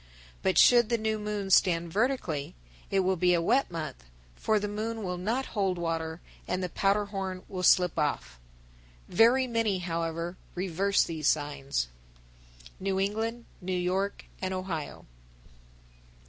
But should the new moon stand vertically, it will be a wet month, for the moon will not hold water, and the powder horn will slip off. Very many, however, reverse these signs. _New England, New York, and Ohio.